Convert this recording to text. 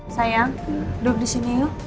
sayang duduk di sini yuk